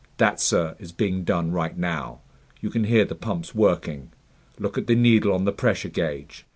"That, sir, is being done right now. You can hear the pumps working. Look at the needle on the pressure gauge.